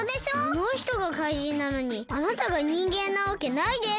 あのひとがかいじんなのにあなたがにんげんなわけないです。